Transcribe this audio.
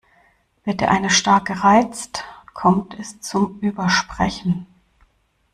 Wird der eine stark gereizt, kommt es zum Übersprechen.